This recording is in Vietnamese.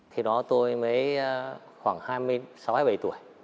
thì đó tôi mới khoảng hai mươi sáu hay hai mươi bảy tuổi